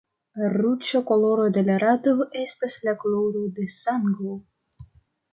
Ruĝa koloro de la rado estas la koloro de sango.